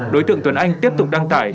đối tượng tuấn anh tiếp tục đăng tải